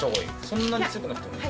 そんなに強くなくてもいい？